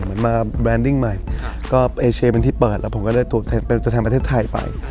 เหมือนมาแบรนดิ้งใหม่ก็เอเชียเป็นที่เปิดแล้วผมก็ได้ตัวแทนประเทศไทยไป